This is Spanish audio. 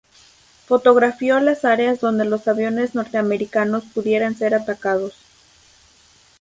Fotografió las áreas donde los aviones norteamericanos pudieran ser atacados.